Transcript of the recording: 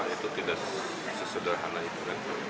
itu tidak sesederhana itu